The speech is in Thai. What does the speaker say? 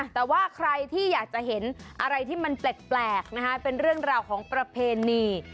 แต่ว่าใครที่อยากจะเห็นอะไรที่มันแปลกนะคะเป็นเรื่องราวของประเพณี